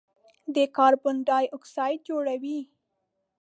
د کاربن ډای اکسایډ جوړوي.